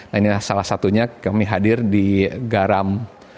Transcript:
nah ini salah satunya kami hadir di garam